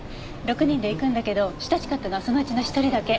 ６人で行くんだけど親しかったのはそのうちの１人だけ。